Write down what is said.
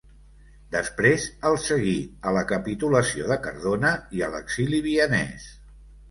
Després, el seguí a la capitulació de Cardona i a l'exili vienès.